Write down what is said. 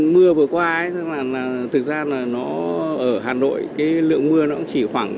mưa vừa qua thực ra là ở hà nội lượng mưa nó chỉ khoảng